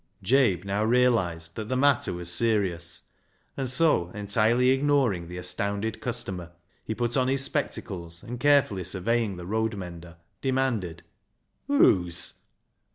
Jabe now realised that the matter was serious ; and so, entirely ignoring the astounded customer, he put on his spectacles, and, carefully surveying the road mender, demanded —" Whoas ?